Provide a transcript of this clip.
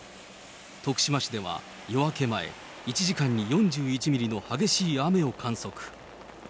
徳島市では夜明け前、１時間に４１ミリの激しい雨を観測。